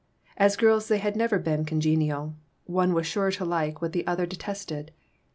As girls they had never been conge nial ; one was sure to like what the other detested.